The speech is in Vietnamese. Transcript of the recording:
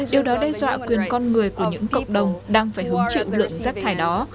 điều đó đe dọa quyền con người của những cộng đồng đang phải hứng chịu lượng rác thải đó